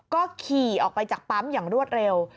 ก็ขี่ออกไปจากปั๊มอย่างรวดเร็ว